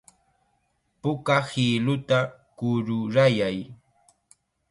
Puka hiluta kururayay.